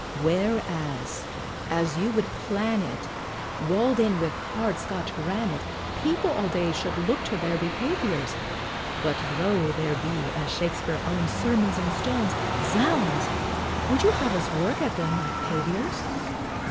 Whereas, as you would plan it, Wall'd in with hard Scotch granite, People all day should look to their behaviors; But though there be, as Shakspeare owns, "Sermons in stones," Zounds! Would you have us work at them like paviors?